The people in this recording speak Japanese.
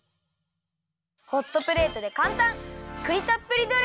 ホットプレートでかんたん！